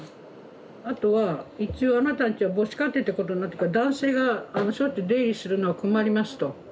あとは一応あなたのうちは母子家庭ってことになってるから男性があのしょっちゅう出入りするのは困りますと。